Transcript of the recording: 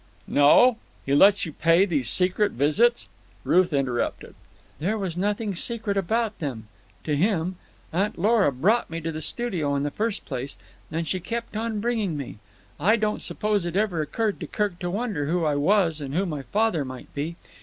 "No? He lets you pay these secret visits——" Ruth interrupted. "There was nothing secret about them—to him. Aunt Lora brought me to the studio in the first place, and she kept on bringing me. I don't suppose it ever occurred to Kirk to wonder who I was and who my father might be.